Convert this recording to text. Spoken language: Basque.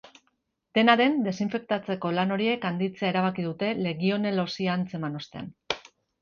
Dena den, desinfektatzeko lan horiek handitzea erabaki dute legionelosia antzeman ostean.